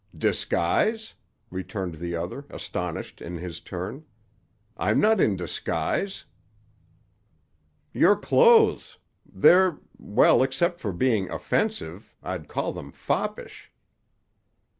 "Disguise?" returned the other, astonished in his turn. "I'm not in disguise." "Your clothes. They're—well, except for being offensive, I'd call them foppish."